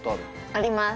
あります